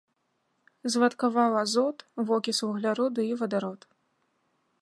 Звадкаваў азот, вокіс вугляроду і вадарод.